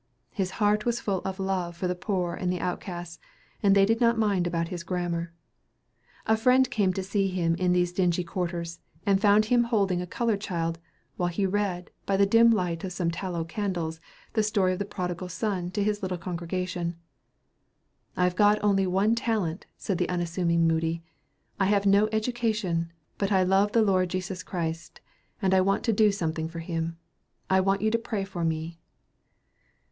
His heart was full of love for the poor and the outcasts, and they did not mind about his grammar. A friend came to see him in these dingy quarters, and found him holding a colored child, while he read, by the dim light of some tallow candles, the story of the Prodigal Son to his little congregation. "I have got only one talent," said the unassuming Moody. "I have no education, but I love the Lord Jesus Christ, and I want to do something for him. I want you to pray for me."